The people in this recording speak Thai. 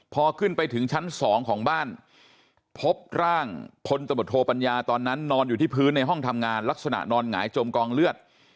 พอขึ้นไปถึงชั้น๒ของบ้านพบร่างพลตบทโทปัญญาตอนนั้นนอนอยู่ที่พื้นในห้องทำงานลักษณะนอนหงายจมกองเลือด